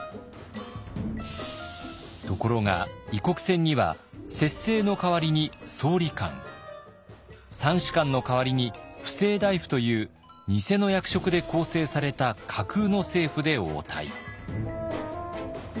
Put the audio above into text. ところが異国船には摂政の代わりに総理官三司官の代わりに布政大夫という偽の役職で構成された架空の政府で応対。